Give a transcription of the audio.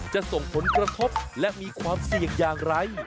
จะส่งผลกระทบและมีความเสี่ยงอย่างไร